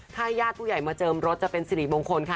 ถ้าญาติผู้ใหญ่มาเจิมรถจะเป็นสิริมงคลค่ะ